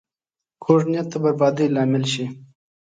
کوږ نیت د بربادۍ لامل شي